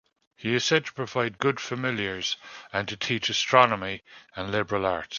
He is said to provide good familiars, and to teach astronomy and liberal arts.